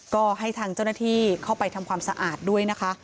ก็ให้ทางเจ้าหน้าที่เข้าไปทำความสะอาดด้วยนะคะ